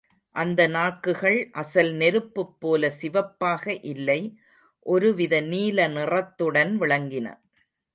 அந்த நாக்குகள் அசல் நெருப்புப் போல சிவப்பாக இல்லை, ஒரு வித நீல நிறத்துடன் விளங்கின.